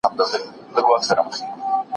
له بدې ژبې څخه ځان وساتئ.